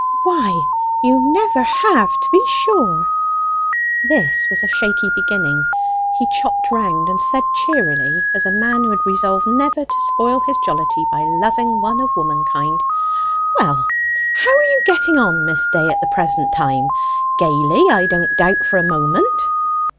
"Why, you never have, to be sure!" This was a shaky beginning. He chopped round, and said cheerily, as a man who had resolved never to spoil his jollity by loving one of womankind "Well, how are you getting on, Miss Day, at the present time? Gaily, I don't doubt for a moment."